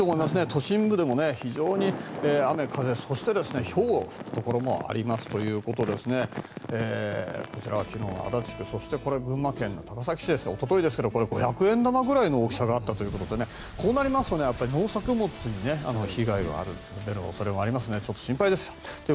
都心部でも非常に雨、風そして、ひょうが降ったところもありますということでこちらは昨日の足立区そしてこれは群馬県の高崎市おとといですが五百円玉くらいの大きさがあったということでこうなると農作物に被害が出る恐れもあるのでちょっと心配です。